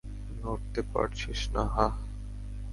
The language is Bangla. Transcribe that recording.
নড়তে পারছিস না, হাহ?